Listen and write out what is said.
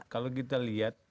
kalau kita lihat